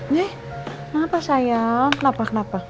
yeh kenapa sayang kenapa kenapa